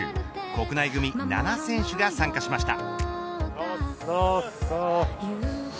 国内組７選手が参加しました。